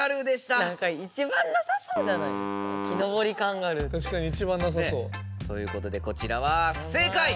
たしかにいちばんなさそう。ということでこちらは不正解！